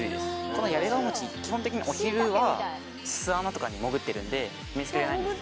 このヤベガワモチ基本的にお昼は巣穴とかに潜ってるんで見つけられないんです。